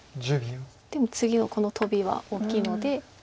でも次のこのトビは大きいので。